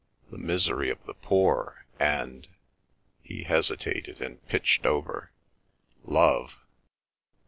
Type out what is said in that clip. The misery of the poor and—" (he hesitated and pitched over) "love!"